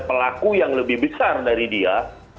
pelaku yang lebih besar dari dia